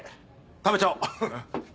食べちゃおう！